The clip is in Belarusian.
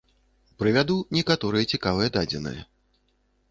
Прывяду некаторыя цікавыя дадзеныя.